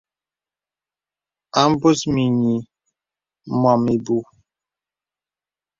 A mbus mìnyì mɔ̀m ìbùù.